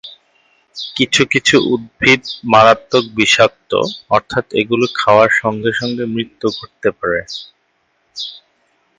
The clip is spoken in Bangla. কিছু কিছু উদ্ভিদ মারাত্মক বিষাক্ত অর্থাৎ এগুলি খাওয়ার সঙ্গে সঙ্গে মৃত্যু ঘটতে পারে।